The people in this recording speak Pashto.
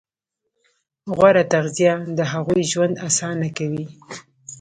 غوره تغذیه د هغوی ژوند اسانه کوي.